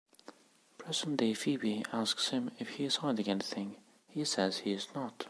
Present-day Phoebe asks him if he is hiding anything; he says he is not.